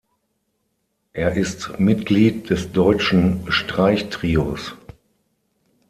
Er ist Mitglied des Deutschen Streichtrios.